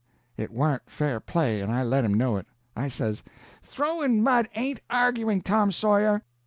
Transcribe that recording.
It warn't fair play, and I let him know it. I says: "Throwin' mud ain't arguin', Tom Sawyer."